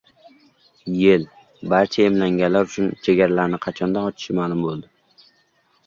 YeI barcha emlanganlar uchun chegaralarini qachondan ochishi ma'lum bo‘ldi